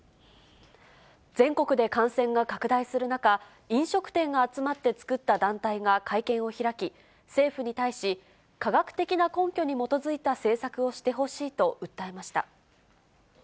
全国で感染が拡大する中、飲食店が集まって作った団体が会見を開き、政府に対し、科学的な根拠に基づいた政策をしてほしいと訴えました。